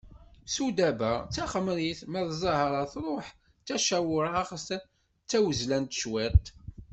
Sudaba d taxemrit ma d zahra truḥ d tacawraɣt d tawezlant cwiṭ.